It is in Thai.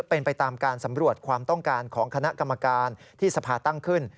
เป็นไปตามการสำรวจความต้องการของคณะกรรมการที่สภาตั้งขึ้น